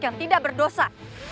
yang tidak berdosa